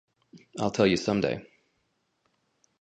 I'll tell you some day.